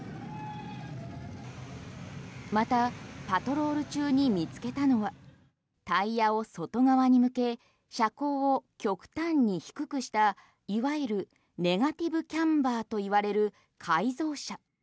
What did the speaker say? またパトロール中に見つけたのはタイヤを外側に向け車高を極端に低くしたいわゆるネガティブキャンバーと言われる改造車。